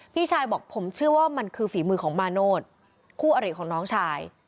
พี่ชายบอกผมเชื่อว่ามันคือฝีมือของมาโนธคู่อริของน้องชาย